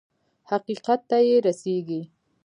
حقيقت ته يې رسېږي.